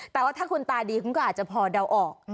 แต่ว่าถ้าคุณตาดีคุณก็อาจจะพอเดาออก